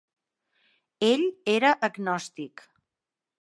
Ell era agnòstic.